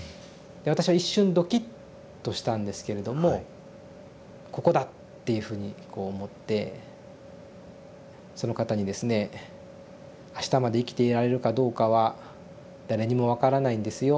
で私は一瞬ドキッとしたんですけれども「ここだ」っていうふうにこう思ってその方にですね「あしたまで生きていられるかどうかは誰にも分からないんですよ